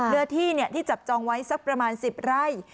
เรือที่จับจองไว้ประมาณสิบไร่